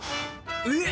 えっ！